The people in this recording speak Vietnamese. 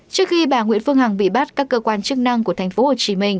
trước khi bà nguyễn phương hằng bị bắt các cơ quan chức năng của tp hcm